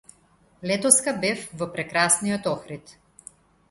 Летоска бев во прекрасниот Охрид.